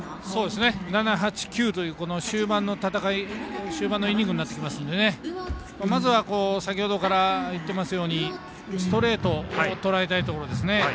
７、８、９という終盤のイニングになってきますのでまずは先ほどからいっていますようにストレートをとらえたいところですね。